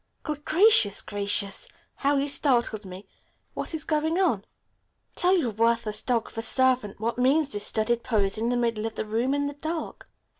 "Good gracious, Gracious, how you startled me! What is going on? Tell your worthless dog of a servant, what means this studied pose in the middle of the room in the dark?